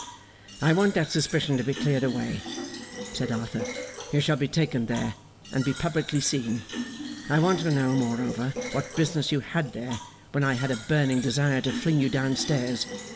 'I want that suspicion to be cleared away,' said Arthur. 'You shall be taken there, and be publicly seen. I want to know, moreover, what business you had there when I had a burning desire to fling you down stairs.